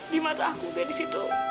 di mata aku gadis itu